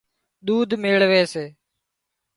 ۮُوڌ ميۯوي سي